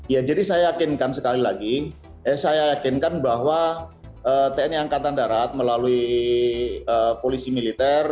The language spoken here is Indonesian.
ya jadi saya yakinkan sekali lagi saya yakinkan bahwa tni angkatan darat melalui polisi militer